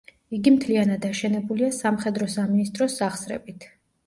იგი მთლიანად აშენებულია სამხედრო სამინისტროს სახსრებით.